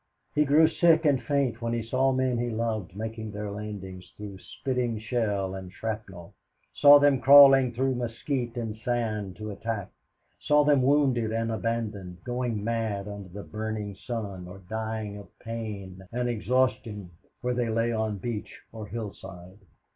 He grew sick and faint as he saw men he loved making their landings through spitting shell and shrapnel, saw them crawling through mesquite and sand to attack, saw them wounded and abandoned, going mad under the burning sun or dying of pain and exhaustion where they lay on beach or hillside.